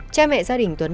cha mẹ gia đình tuấn